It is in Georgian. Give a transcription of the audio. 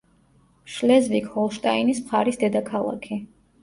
შლეზვიგ-ჰოლშტაინის მხარის დედაქალაქი.